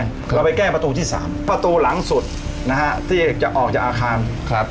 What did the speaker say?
เราไปแก้ประตูที่สามประตูหลังสุดนะฮะที่เอกจะออกจากอาคารครับ